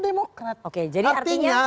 demokraat oke jadi artinya